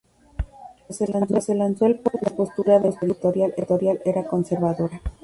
Cuando se lanzó el "Post", la postura de la editorial era conservadora.